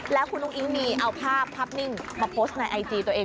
แล้วคุณอุ้งอิ๊งมีเอาภาพภาพนิ่งมาโพสต์ในไอจีตัวเอง